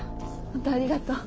本当ありがとう。